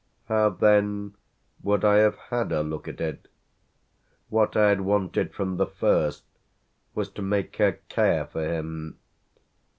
How then would I have had her look at it? What I had wanted from the first was to make her care for him.